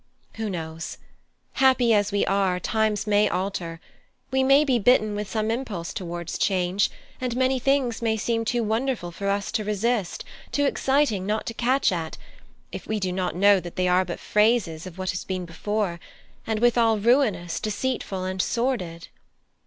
Who knows? Happy as we are, times may alter; we may be bitten with some impulse towards change, and many things may seem too wonderful for us to resist, too exciting not to catch at, if we do not know that they are but phases of what has been before; and withal ruinous, deceitful, and sordid."